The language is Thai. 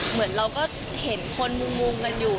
เหมือนเราก็เห็นคนมุงกันอยู่